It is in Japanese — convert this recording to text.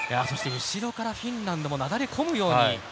そして後ろからフィンランドもなだれ込むように。